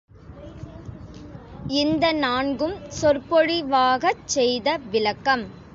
இந்த நான்கும் சொற்பொழிவாகச் செய்த விளக்கம்.